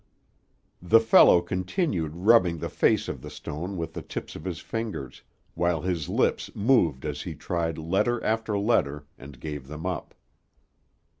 The fellow continued rubbing the face of the stone with the tips of his fingers, while his lips moved as he tried letter after letter, and gave them up.